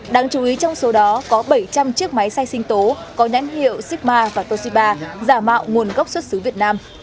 đáng chú ý trong số đó có bảy trăm linh chiếc máy sai sinh tố có nhãn hiệu cima và toshiba giả mạo nguồn gốc xuất xứ việt nam